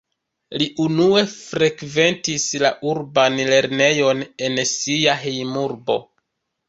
Li unue frekventis la urban lernejon en sia hejmurbo.